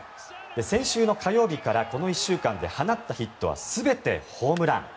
先週の火曜日からこの１週間で放ったヒットは全てホームラン。